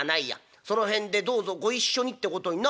『その辺でどうぞご一緒に』ってことになる。